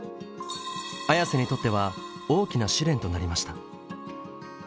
Ａｙａｓｅにとっては大きな試練となりました。